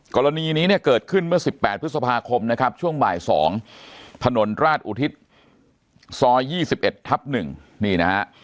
กรณีนี้เนี่ยเกิดขึ้นเมื่อ๑๘พฤษภาคมนะครับช่วงบ่าย๒ถนนราชอุทิศซอย๒๑ทับ๑นี่นะฮะ